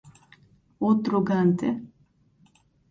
outorgante